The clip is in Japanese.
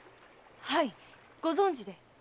はいご存じで？